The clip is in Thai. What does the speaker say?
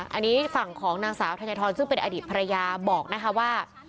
อันนี้ฝั่งของนางสาวธัญฑรซึ่งเป็นอดีตภรรยาบอกนะคะว่า